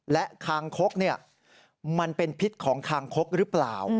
และคางคกมันเป็นพิษของคางคกหรือเปล่า